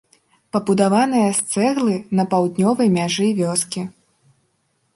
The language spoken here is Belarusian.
Пабудаваная з цэглы на паўднёвай мяжы вёскі.